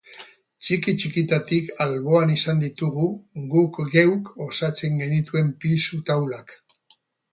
Txiki-txikitatik alboan izan ditugu guk geuk osatzen genituen pisu taulak.